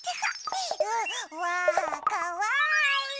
わあかわいい！